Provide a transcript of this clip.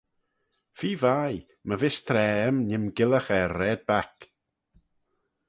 Feer vie, my vees traa aym nee'm gyllagh er raad back.